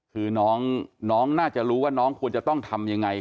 คือน้องน่าจะรู้ว่าน้องควรจะต้องทำยังไง